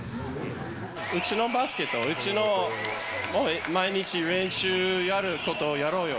うちのバスケット、うちの毎日練習やることやろうよ。